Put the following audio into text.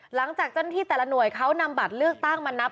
หลังจากเจ้าหน้าที่แต่ละหน่วยเขานำบัตรเลือกตั้งมานับ